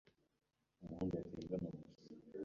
Umuhungu yateye imbwa amabuye.